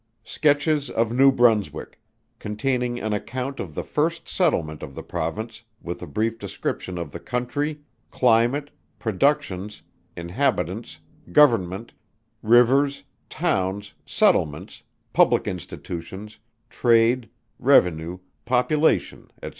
_ SKETCHES OF NEW BRUNSWICK; CONTAINING AN ACCOUNT OF THE FIRST SETTLEMENT OF THE PROVINCE, WITH A BRIEF DESCRIPTION OF THE COUNTRY, CLIMATE, PRODUCTIONS, INHABITANTS, GOVERNMENT, RIVERS, TOWNS, SETTLEMENTS, PUBLIC INSTITUTIONS, TRADE, REVENUE, POPULATION, &c.